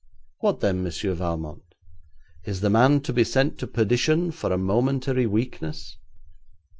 What then, Monsieur Valmont? Is the man to be sent to perdition for a momentary weakness?'